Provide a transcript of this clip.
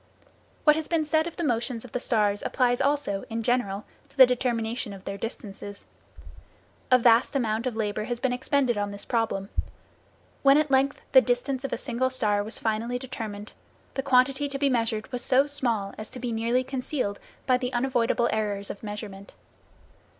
What has been said of the motions of the stars applies also, in general, to the determination of their distances. A vast amount of labor has been expended on this problem. When at length the distance of a single star was finally determined, the quantity to be measured was so small as to be nearly concealed by the unavoidable errors of measurement.